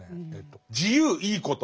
自由いいこと